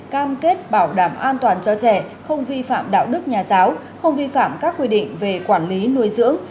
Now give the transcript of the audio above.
cam kết bảo đảm an toàn cho trẻ không vi phạm đạo đức nhà giáo không vi phạm các quy định về quản lý nuôi dưỡng